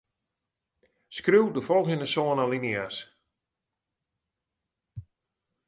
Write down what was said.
Skriuw de folgjende sân alinea's.